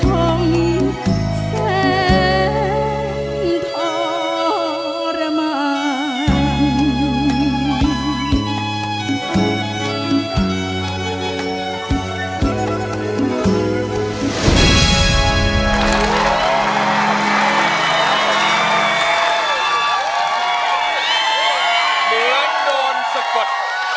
เหมือนโดนสะกด